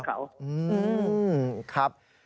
อืมครับ